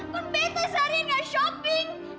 kok betes hari ini gak shopping